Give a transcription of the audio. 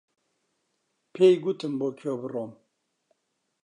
پێی گوتم بۆ کوێ بڕۆم.